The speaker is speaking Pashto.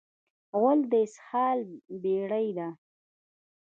غول د اسهال بېړۍ ده.